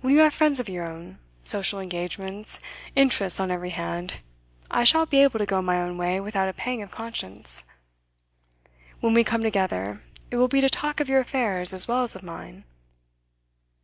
When you have friends of your own, social engagements, interests on every hand, I shall be able to go my own way without a pang of conscience. When we come together, it will be to talk of your affairs as well as of mine.